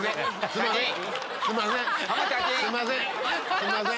「すんません」。